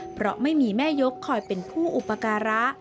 เพราะไม่มีแม่ยกคอยเป็นผู้อุปการะ